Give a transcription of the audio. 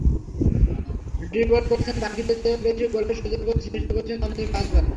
Dribble করেছেন বাকিদের চেয়ে বেশি, গোলের সুযোগও সৃষ্টি করেছেন অন্তত পাঁচবার।